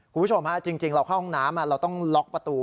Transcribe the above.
คุณผู้ชมฮะจริงเราเข้าห้องน้ำเราต้องล็อกประตู